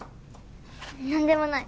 何でもない。